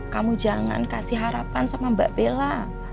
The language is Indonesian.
kamu jangan kasih harapan sama mbak bella